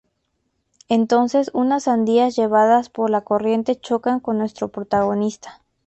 Entonces unas sandías llevadas por la corriente chocan con nuestros protagonistas.